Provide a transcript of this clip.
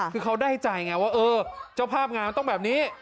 คือเขาได้ใจไงว่าเออเจ้าภาพงานต้องแบบนี้